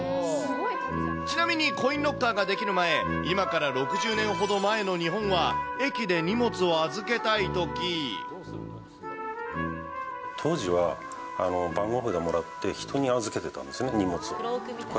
ちなみに、コインロッカーが出来る前、今から６０年ほど前の日本は、当時は番号札もらって、人に預けてたんですね、荷物を。